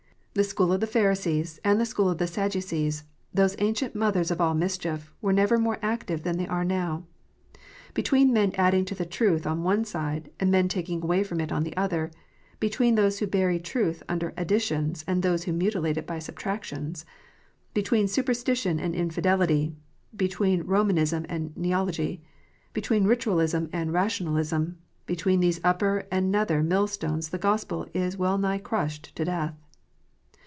The school of the Pharisees, and the school of the Sadducees, those ancient mothers of all mischief, were never more active than they are now. Between men adding to the truth on one side, and men taking away from it on the other, between those who bury truth under additions, and those who mutilate it by subtractions, between superstition and infidelity, between Romanism and Neology, between Ritualism and Rationalism, between these upper and nether mill stones the Gospel is well nigh crushed to death